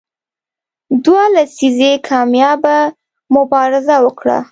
دوه لسیزې کامیابه مبارزه وکړه.